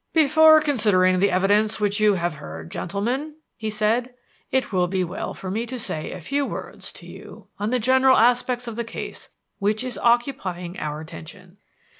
"Before considering the evidence which you have heard, gentlemen," he said, "it will be well for me to say a few words to you on the general aspects of the case which is occupying our attention.